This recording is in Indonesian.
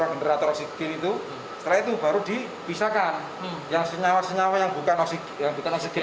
generator oksigen itu setelah itu baru dipisahkan yang senyawa senyawa yang bukan oksigen osegit